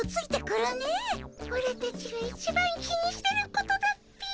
オラたちが一番気にしてることだっピ。